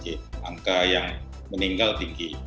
jadi angka yang meninggal tinggi